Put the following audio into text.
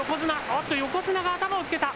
あっと、横綱が頭をつけた。